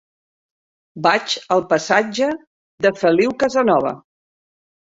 Vaig al passatge de Feliu Casanova.